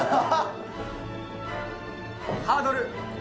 ハードル。